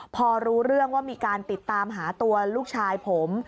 พอรู้เรื่องว่ามีการติดตามหาตัวลูกชายผม